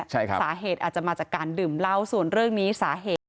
ใช่ครับสาเหตุอาจจะมาจากการดื่มเหล้าส่วนเรื่องนี้สาเหตุ